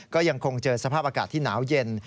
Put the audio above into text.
ก็ยังคงเจอสภาพอากาศที่หนาวเย็น